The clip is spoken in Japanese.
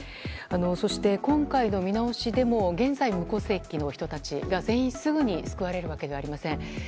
そして今回の見直しでも現在、無戸籍の人たちが全員すぐに救われるわけではありません。